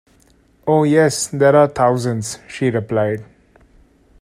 "Oh, yes; there are thousands," she replied.